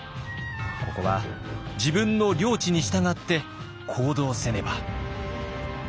ここは自分の良知に従って行動せねば。